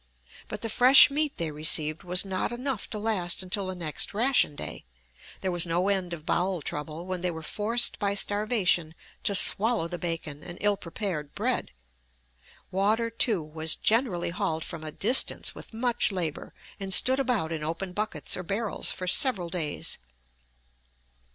But the fresh meat they received was not enough to last until the next ration day. There was no end of bowel trouble when they were forced by starvation to swallow the bacon and ill prepared bread. Water, too, was generally hauled from a distance with much labor, and stood about in open buckets or barrels for several days.